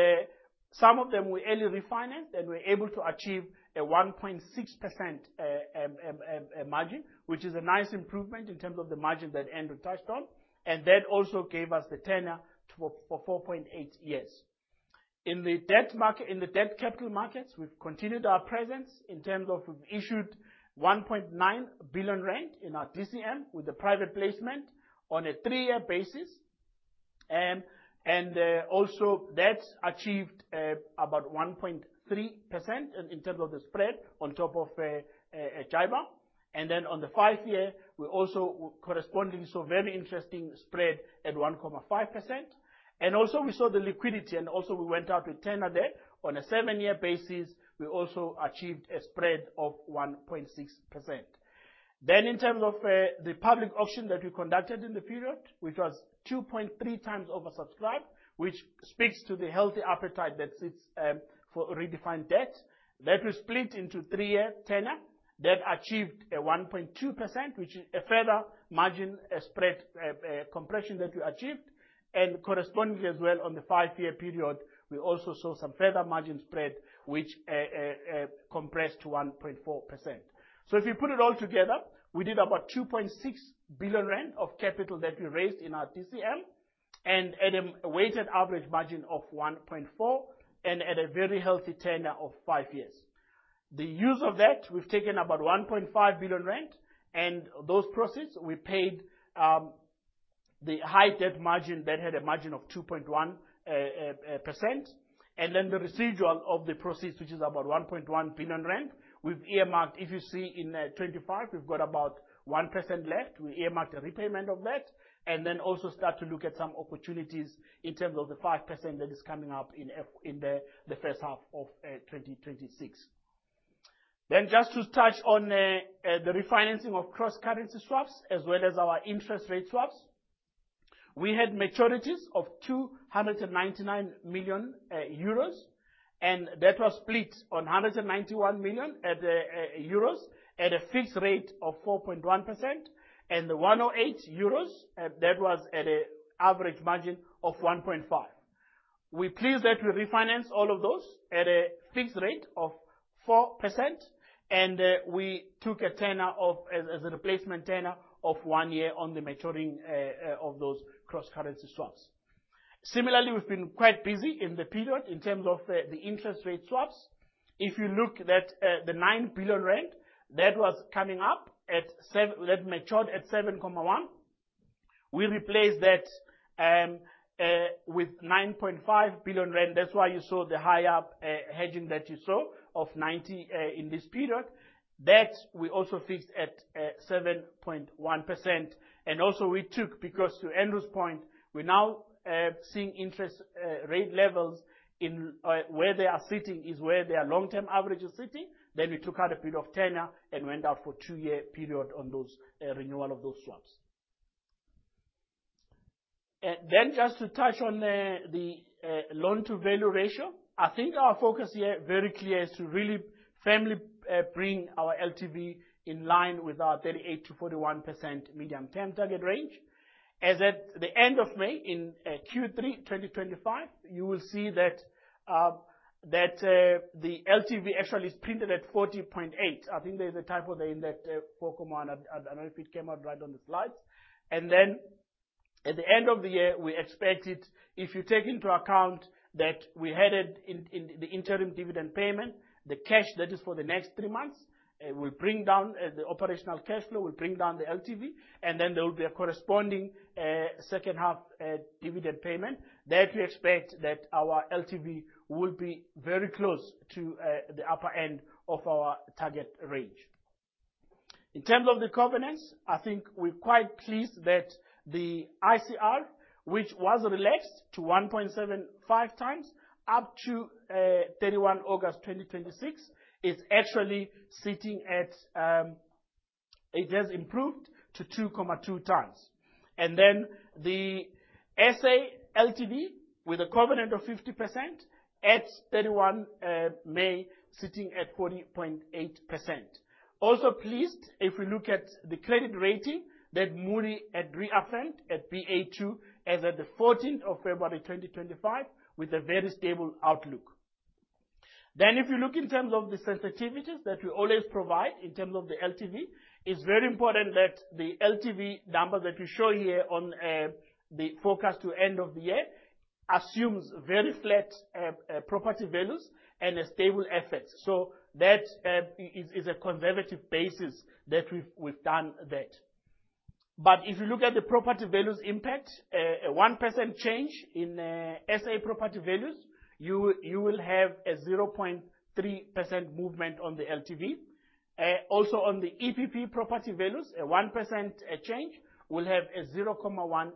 some of them we early refinanced, and we're able to achieve a 1.6% margin, which is a nice improvement in terms of the margin that Andrew touched on. That also gave us the tenor for 4.8 years. In the debt market, in the debt capital markets, we've continued our presence in terms of we've issued 1.9 billion rand in our DCM with the private placement on a three-year basis. Also that's achieved about 1.3% in terms of the spread on top of JIBAR. Then on the five-year, we also correspondingly saw very interesting spread at 1.5%. We saw the liquidity, and we went out with tenor there. On a seven-year basis, we also achieved a spread of 1.6%. In terms of the public auction that we conducted in the period, which was 2.3 times oversubscribed, which speaks to the healthy appetite that sits for Redefine debt. That we split into three-year tenor that achieved 1.2%, which is a further margin spread compressed to 1.4%. If you put it all together, we did about 2.6 billion rand of capital that we raised in our DCM and at a weighted average margin of 1.4% and at a very healthy tenor of five years. The use of that, we've taken about 1.5 billion rand, and those proceeds we paid the high debt margin that had a margin of 2.1%. The residual of the proceeds, which is about 1.1 billion rand, we've earmarked. If you see in 2025, we've got about 1% left. We earmarked a repayment of that and then also start to look at some opportunities in terms of the 5% that is coming up in the first half of 2026. Just to touch on the refinancing of cross currency swaps as well as our interest rate swaps. We had maturities of 299 million euros, and that was split into 191 million at a fixed rate of 4.1%, and 108 million euros that was at an average margin of 1.5. We're pleased that we refinanced all of those at a fixed rate of 4%, and we took a tenor of as a replacement tenor of one year on the maturing of those cross currency swaps. Similarly, we've been quite busy in the period in terms of the interest rate swaps. If you look at the 9 billion rand that matured at 7.1%. We replaced that with 9.5 billion rand. That's why you saw the high up hedging that you saw of 90 in this period. That we also fixed at 7.1%. We took, because to Andrew's point, we're now seeing interest rate levels in where they are sitting is where their long-term average is sitting. We took out a bit of tenor and went out for two-year period on those renewal of those swaps. Just to touch on the loan-to-value ratio. I think our focus here very clear is to really firmly bring our LTV in line with our 38%-41% medium-term target range. As at the end of May in Q3 2025, you will see that the LTV actually is printed at 40.8%. I think there's a typo there in that 4.1. I don't know if it came out right on the slides. At the end of the year, we expect it. If you take into account that we had it in the interim dividend payment, the cash that is for the next three months will bring down the operational cash flow, will bring down the LTV, and then there will be a corresponding second half dividend payment. There we expect that our LTV will be very close to the upper end of our target range. In terms of the covenants, I think we're quite pleased that the ICR, which was relaxed to 1.75 times up to 31 August 2026, is actually sitting at. It has improved to 2.2 times. The SA LTV with a covenant of 50% at 31 May sitting at 40.8%. Also pleased if we look at the credit rating that Moody's had reaffirmed at Baa2 as at 14 February 2025, with a very stable outlook. If you look in terms of the sensitivities that we always provide in terms of the LTV, it's very important that the LTV number that we show here on the forecast to end of the year assumes very flat property values and a stable FX. That is a conservative basis that we've done that. If you look at the property values impact, a 1% change in SA property values, you will have a 0.3% movement on the LTV. Also on the EPP property values, a 1% change will have a 0.1%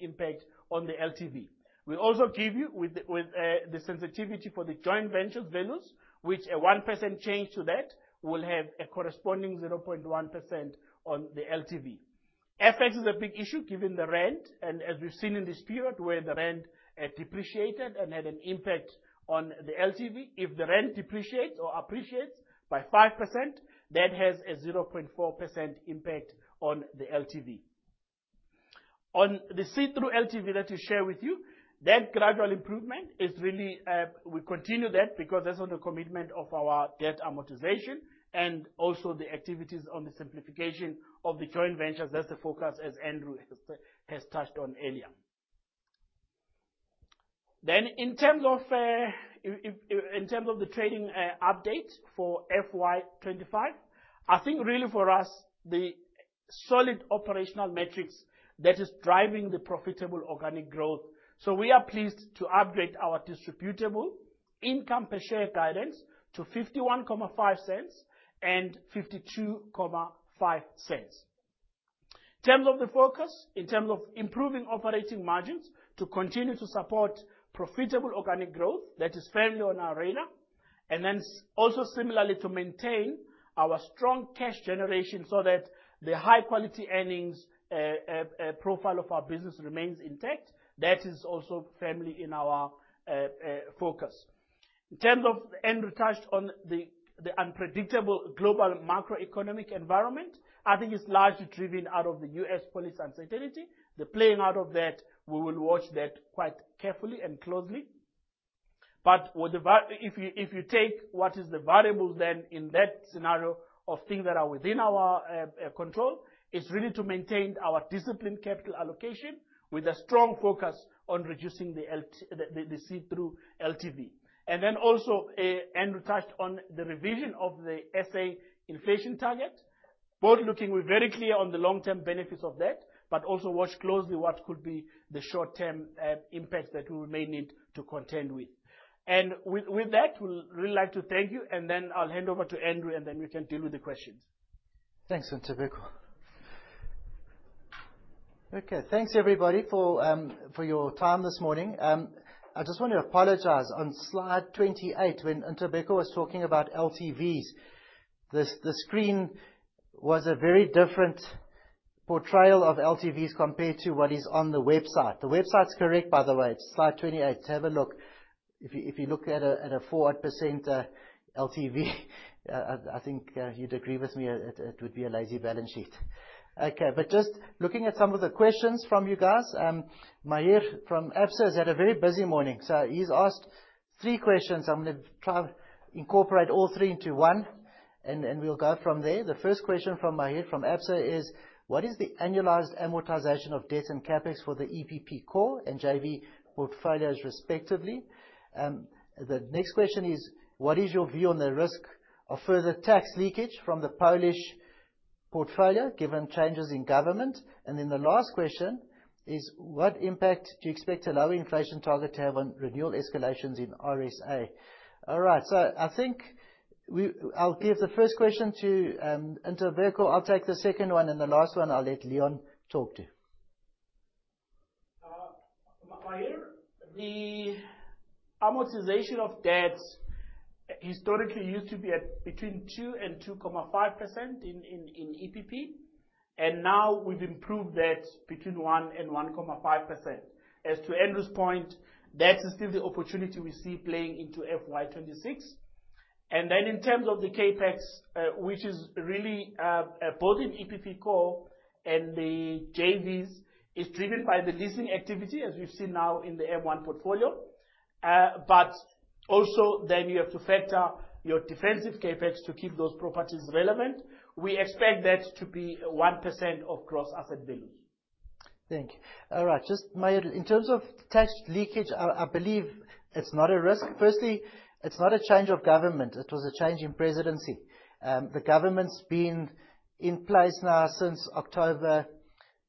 impact on the LTV. We also give you with the sensitivity for the joint ventures values, which a 1% change to that will have a corresponding 0.1% on the LTV. FX is a big issue given the rand, and as we've seen in this period where the rand depreciated and had an impact on the LTV. If the rand depreciates or appreciates by 5%, that has a 0.4% impact on the LTV. On the see-through LTV that we share with you, that gradual improvement is really we continue that because that's on the commitment of our debt amortization and also the activities on the simplification of the joint ventures. That's the focus, as Andrew has touched on earlier. In terms of the trading update for FY 2025, I think really for us the solid operational metrics that is driving the profitable organic growth. We are pleased to upgrade our distributable income per share guidance to 0.515-0.525. In terms of the focus, in terms of improving operating margins to continue to support profitable organic growth, that is firmly on our radar. Also similarly to maintain our strong cash generation so that the high quality earnings profile of our business remains intact. That is also firmly in our focus. In terms of Andrew touched on the unpredictable global macroeconomic environment. I think it's largely driven out of the U.S. policy uncertainty. The playing out of that, we will watch that quite carefully and closely. If you, if you take what is the variables then in that scenario of things that are within our control, it's really to maintain our disciplined capital allocation with a strong focus on reducing the see-through LTV. Then also, Andrew touched on the revision of the SA inflation target. Both looking, we're very clear on the long-term benefits of that, but also watch closely what could be the short-term impacts that we may need to contend with. With that, we'd really like to thank you and then I'll hand over to Andrew, and then we can deal with the questions. Thanks, Ntobeko. Okay. Thanks, everybody, for your time this morning. I just want to apologize. On slide 28, when Ntobeko was talking about LTVs, the screen was a very different portrayal of LTVs compared to what is on the website. The website's correct, by the way. It's slide 28. Have a look. If you look at a 4% LTV, I think you'd agree with me, it would be a lazy balance sheet. Okay. Just looking at some of the questions from you guys, Maher from Absa has had a very busy morning. So he's asked three questions. I'm gonna try to incorporate all three into one, and we'll go from there. The first question from Maher from Absa is, what is the annualized amortization of debt and CapEx for the EPP core and JV portfolios respectively? The next question is, what is your view on the risk of further tax leakage from the Polish portfolio given changes in government? The last question is, what impact do you expect a lower inflation target to have on renewal escalations in RSA? All right. I think I'll give the first question to Ntobeko. I'll take the second one, and the last one I'll let Leon talk to. Maher, the amortization of debts historically used to be at between 2% and 2.5% in EPP, and now we've improved that between 1% and 1.5%. As to Andrew's point, that is still the opportunity we see playing into FY 2026. In terms of the CapEx, which is really both in EPP core and the JVs, is driven by the leasing activity, as we've seen now in the M1 portfolio. Also you have to factor your defensive CapEx to keep those properties relevant. We expect that to be 1% of gross asset value. Thank you. All right. Just, Maher, in terms of tax leakage, I believe it's not a risk. Firstly, it's not a change of government. It was a change in presidency. The government's been in place now since October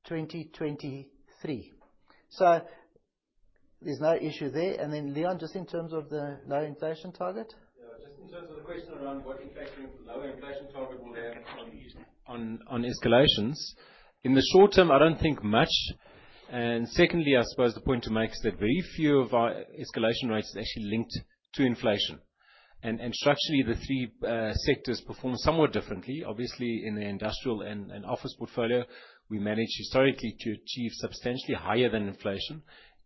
2023, so there's no issue there. Leon, just in terms of the low inflation target. Yeah. Just in terms of the question around what impact the lower inflation target will have on escalations. In the short term, I don't think much. Secondly, I suppose the point to make is that very few of our escalation rates are actually linked to inflation. Structurally, the three sectors perform somewhat differently. Obviously, in the industrial and office portfolio, we managed historically to achieve substantially higher than inflation,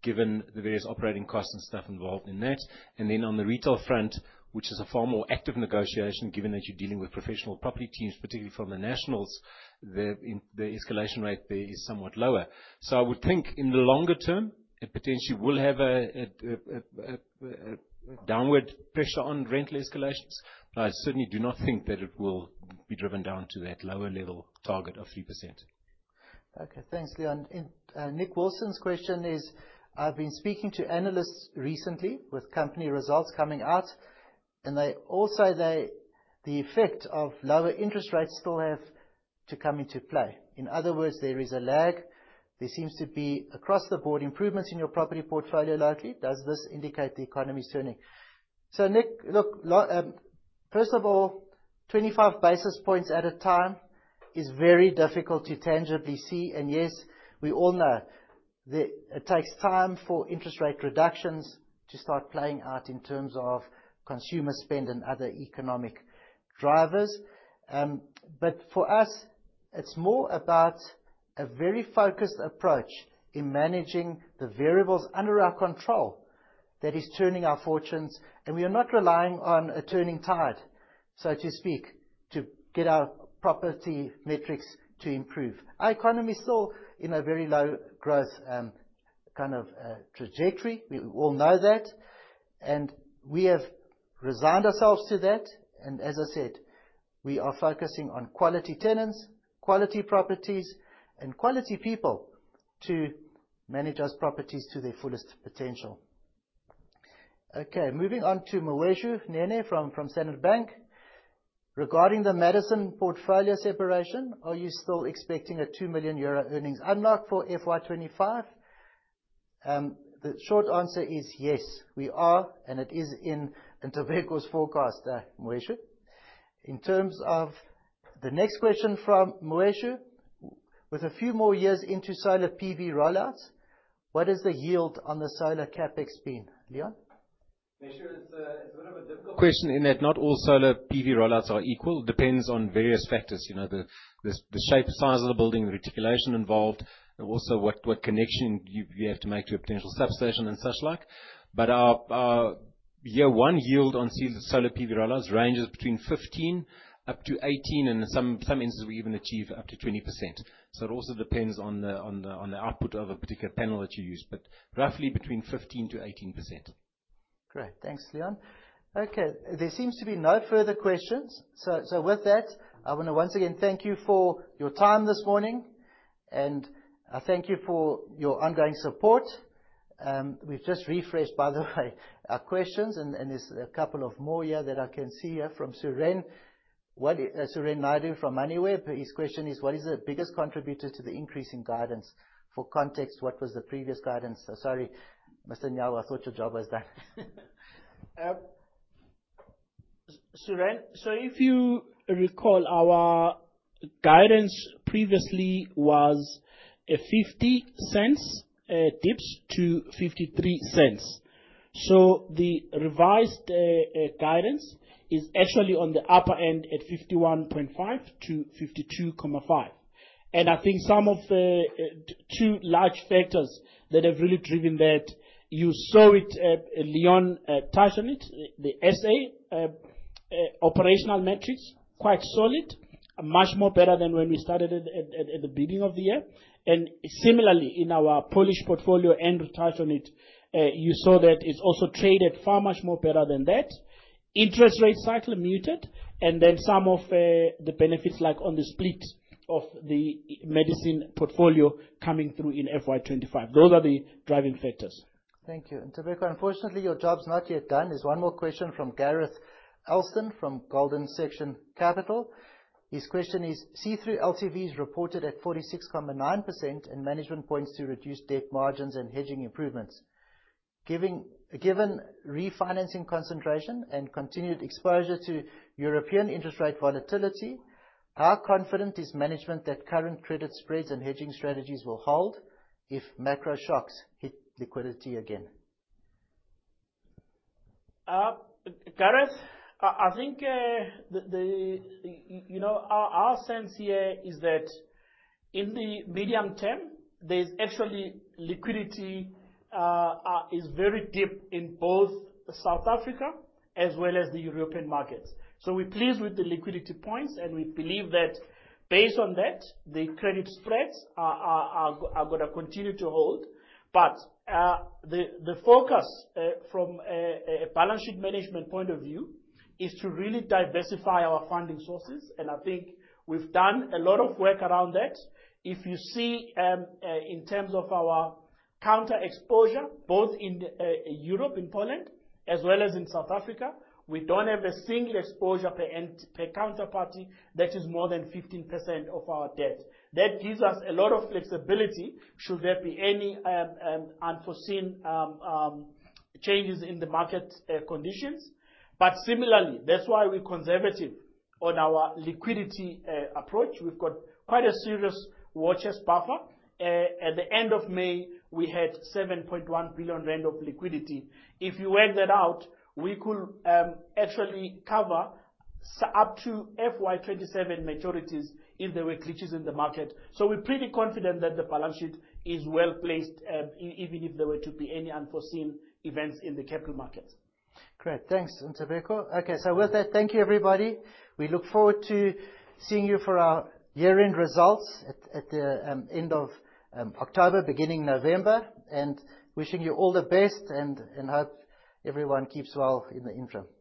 given the various operating costs and stuff involved in that. Then on the retail front, which is a far more active negotiation, given that you're dealing with professional property teams, particularly from the nationals, the escalation rate there is somewhat lower. I would think in the longer term, it potentially will have a downward pressure on rental escalations, but I certainly do not think that it will be driven down to that lower level target of 3%. Okay. Thanks, Leon. Nick Wilson's question is, I've been speaking to analysts recently with company results coming out, and they all say they, the effect of lower interest rates still have to come into play. In other words, there is a lag. There seems to be across the board improvements in your property portfolio lately. Does this indicate the economy is turning? Nick, look, first of all, 25 basis points at a time is very difficult to tangibly see. Yes, we all know that it takes time for interest rate reductions to start playing out in terms of consumer spend and other economic drivers. For us, it's more about a very focused approach in managing the variables under our control that is turning our fortunes, and we are not relying on a turning tide, so to speak, to get our property metrics to improve. Our economy is still in a very low growth, kind of, trajectory. We all know that. We have resigned ourselves to that. As I said, we are focusing on quality tenants, quality properties, and quality people to manage those properties to their fullest potential. Okay, moving on to Mpumelelo Nene from Standard Bank. Regarding the Madison portfolio separation, are you still expecting a 2 million euro earnings unlock for FY 2025? The short answer is yes. We are, and it is in Ntobeko Nyawo's forecast, Mpumelelo. In terms of the next question from Mpumelelo, with a few more years into solar PV rollouts, what has the yield on the solar CapEx been? Leon? Mpumelelo, it's a bit of a difficult question in that not all solar PV rollouts are equal. Depends on various factors, you know, the shape, size of the building, the reticulation involved, and also what connection you have to make to a potential substation and such like. Our year one yield on solar PV rollouts ranges between 15% up to 18%, and in some instances we even achieve up to 20%. It also depends on the output of a particular panel that you use, but roughly between 15%-18%. Great. Thanks, Leon. Okay. There seems to be no further questions. With that, I wanna once again thank you for your time this morning, and I thank you for your ongoing support. We've just refreshed, by the way, our questions and there's a couple of more here that I can see here from Suren. Suren Naidoo from Moneyweb. His question is: What is the biggest contributor to the increase in guidance? For context, what was the previous guidance? Sorry, Mr. Nyawo, I thought your job was done. Suren, if you recall, our guidance previously was ZAR 0.50 DIPS to 0.53. The revised guidance is actually on the upper end at 0.515-0.525. I think some of the two large factors that have really driven that, you saw it, Leon touched on it, the SA operational metrics, quite solid, much more better than when we started at the beginning of the year. Similarly, in our Polish portfolio, Andrew touched on it, you saw that it's also traded far much more better than that. Interest rate cycle muted, and then some of the benefits, like on the split of the Madison portfolio coming through in FY 2025. Those are the driving factors. Thank you. Ntobeko, unfortunately, your job's not yet done. There's one more question from Gareth Elston from Golden Section Capital. His question is, see-through LTV is reported at 46.9%, and management points to reduced debt margins and hedging improvements. Given refinancing concentration and continued exposure to European interest rate volatility, how confident is management that current credit spreads and hedging strategies will hold if macro shocks hit liquidity again? Garreth, I think you know, our sense here is that in the medium term there's actually liquidity is very deep in both South Africa as well as the European markets. We're pleased with the liquidity points, and we believe that based on that, the credit spreads are gonna continue to hold. The focus from a balance sheet management point of view is to really diversify our funding sources, and I think we've done a lot of work around that. If you see in terms of our counterparty exposure, both in Europe, in Poland, as well as in South Africa, we don't have a single exposure per counterparty that is more than 15% of our debt. That gives us a lot of flexibility should there be any unforeseen changes in the market conditions. Similarly, that's why we're conservative on our liquidity approach. We've got quite a serious cash buffer. At the end of May, we had 7.1 billion rand of liquidity. If you work that out, we could actually cover up to FY 2027 maturities if there were glitches in the market. We're pretty confident that the balance sheet is well-placed, even if there were to be any unforeseen events in the capital markets. Great. Thanks, and Ntobeko. Okay, so with that, thank you, everybody. We look forward to seeing you for our year-end results at the end of October, beginning November, and wishing you all the best and hope everyone keeps well in the interim.